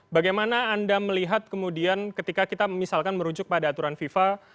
bagaimana anda melihat kemudian ketika kita misalkan merujuk pada aturan fifa